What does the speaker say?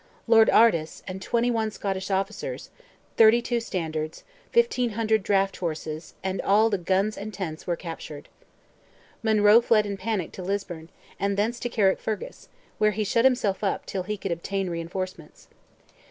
Lord Ardes, and 21 Scottish officers, 32 standards, 1,500 draught horses, and all the guns and tents, were captured. Monroe fled in panic to Lisburn, and thence to Carrickfergus, where he shut himself up, till he could obtain reinforcements.